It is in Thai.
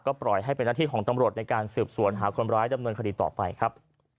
ปล่อยให้เป็นหน้าที่ของตำรวจในการสืบสวนหาคนร้ายดำเนินคดีต่อไปครับ